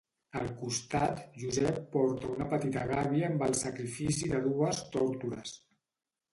Al costat, Josep porta una petita gàbia amb el sacrifici de dues tórtores.